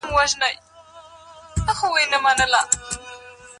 ایا مغول په خپلي اشتباه پوه سوي وو؟